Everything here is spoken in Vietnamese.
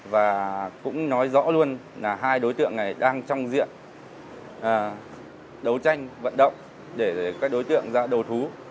và cũng nói rõ luôn là hai đối tượng này đang trong diện đấu tranh vận động để các đối tượng ra đầu thú